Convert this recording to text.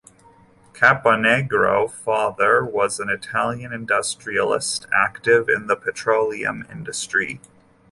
Caponegro father was an Italian industrialist active in the petroleum industry.